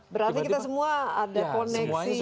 berarti kita semua ada koneksi